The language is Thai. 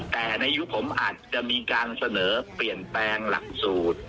แต่ในยุคผมอาจจะมีการเสนอเปลี่ยนแปลงหลักสูตร